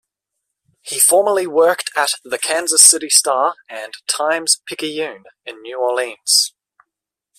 He formerly worked at "The Kansas City Star" and "Times-Picayune" in New Orleans.